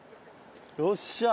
よっしゃ。